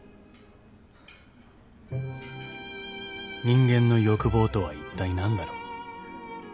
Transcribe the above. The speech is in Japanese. ［人間の欲望とはいったい何だろう？］